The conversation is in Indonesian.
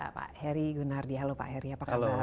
pak heri gunardi halo pak heri apa kabar